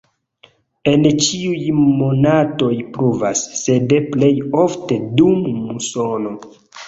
En ĉiuj monatoj pluvas, sed plej ofte dum musono.